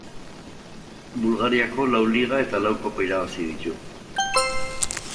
Bulgariako lau Liga eta lau Kopa irabazi ditu.